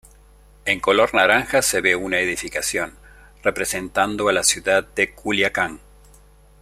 En color naranja se ve una edificación, representando a la ciudad de Culiacán.